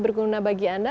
berguna bagi anda